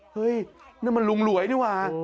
เฮ้ยนั่นมันลุงหลวยนี่ว่ะ